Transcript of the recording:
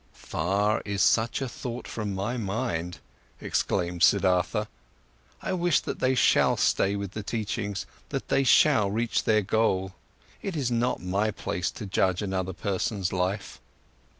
"Far is such a thought from my mind," exclaimed Siddhartha. "I wish that they shall all stay with the teachings, that they shall reach their goal! It is not my place to judge another person's life.